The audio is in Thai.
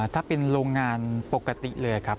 ถ้าเป็นโรงงานปกติเลยครับ